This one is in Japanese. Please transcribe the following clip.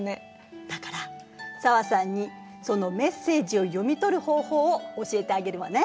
だから紗和さんにそのメッセージを読み取る方法を教えてあげるわね。